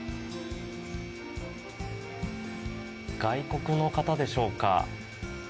外国の方でしょうか。